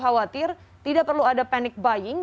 khawatir tidak perlu ada panic buying